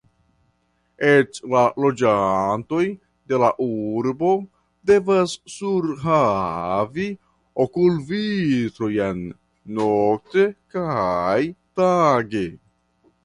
Eĉ la loĝantoj de la Urbo devas surhavi okulvitrojn nokte kaj tage.